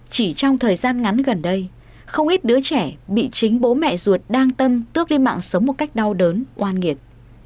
chỉ trong thời gian ngắn gần đây không ít đứa trẻ bị chính bố mẹ ruột đang tâm tước lên mạng sống một cách đau đớn oan nghiệt